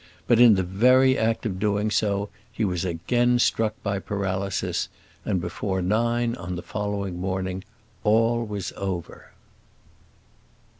But in the very act of doing so he was again struck by paralysis, and before nine on the following morning all was over.